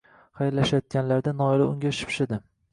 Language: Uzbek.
Xayrlashayotganlarida Noila unga shipshidi